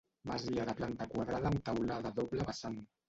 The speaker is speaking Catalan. Masia de planta quadrada amb teulada a doble vessant.